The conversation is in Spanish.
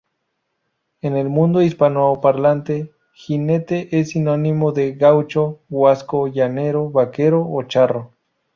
En el mundo hispanoparlante, "jinete" es sinónimo de gaucho, huaso, llanero, vaquero o charro.